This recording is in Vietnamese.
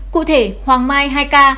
cụ thể hoàng mai hai ca